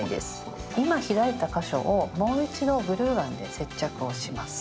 今開いた箇所をもう一度グルーガンで接着をします。